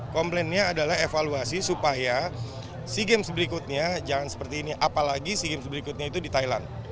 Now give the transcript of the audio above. komplennya adalah evaluasi supaya sea games berikutnya jangan seperti ini apalagi sea games berikutnya itu di thailand